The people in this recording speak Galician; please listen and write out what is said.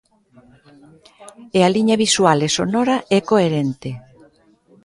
E a liña visual e sonora é coherente.